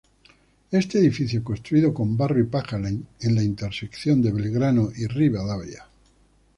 Este edificio construido con barro y paja en la intersección de Belgrano y Rivadavia.